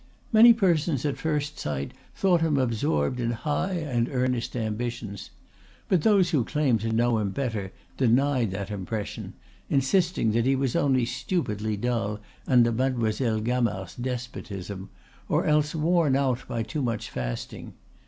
Many persons at first sight thought him absorbed in high and earnest ambitions; but those who claimed to know him better denied that impression, insisting that he was only stupidly dull under Mademoiselle Gamard's despotism, or else worn out by too much fasting.